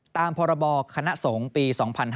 ตามพรบคณะสงฆ์ปี๒๕๕๙